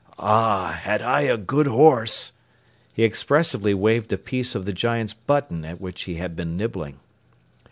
"Ah, had I my good horse!" He expressively waved a piece of the giant's button at which he had been nibbling.